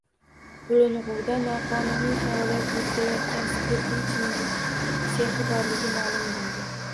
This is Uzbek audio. Bulung‘urda noqonuniy faoliyat yuritayotgan spirtli ichimlik sexi borligi ma’lum bo‘ldi